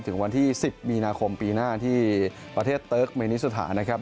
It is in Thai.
ถึงวันที่๑๐มีนาคมปีหน้าที่ประเทศเติร์กเมนิสถานนะครับ